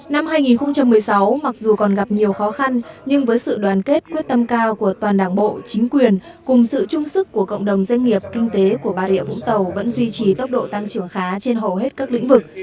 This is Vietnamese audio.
năm hai nghìn một mươi sáu mặc dù còn gặp nhiều khó khăn nhưng với sự đoàn kết quyết tâm cao của toàn đảng bộ chính quyền cùng sự trung sức của cộng đồng doanh nghiệp kinh tế của bà rịa vũng tàu vẫn duy trì tốc độ tăng trưởng khá trên hầu hết các lĩnh vực